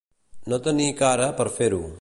No tenir cara per fer-ho.